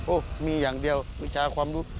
โอ้โหมีอย่างเดียววิชาความรู้